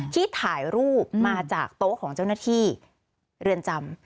ที่ถ่ายรูปมาจากโต๊ะของเจ้าหน้าที่เรือนจำ